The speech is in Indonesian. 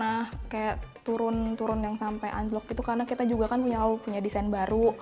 nah kayak turun turun yang sampai unblock gitu karena kita juga kan punya desain baru